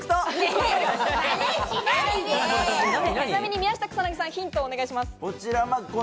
宮下草薙さん、ヒントをお願いします。